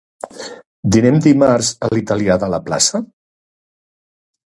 Dinem dimarts a l'italià de la plaça?